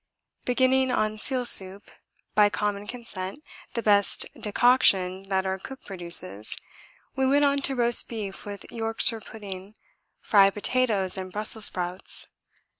Beginning on seal soup, by common consent the best decoction that our cook produces, we went on to roast beef with Yorkshire pudding, fried potatoes and Brussels sprouts.